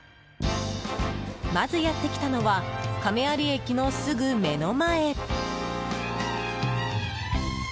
まずやってきたのは亀有駅のすぐ目の前。